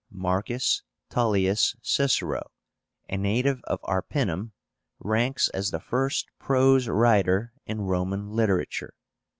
MARCUS TULLIUS CICERO, a native of Arpínum, ranks as the first prose writer in Roman literature.